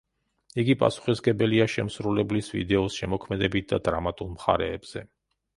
იგი პასუხისმგებელია შემსრულებლის ვიდეოს შემოქმედებით და დრამატულ მხარეებზე.